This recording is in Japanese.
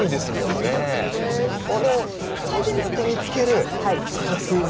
でも咲いてるよって見つける探すウメ。